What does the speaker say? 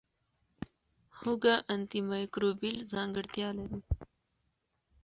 هوږه انټي مایکروبیل ځانګړتیا لري.